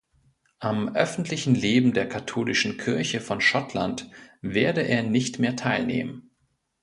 Am öffentlichen Leben der katholischen Kirche von Schottland werde er nicht mehr teilnehmen.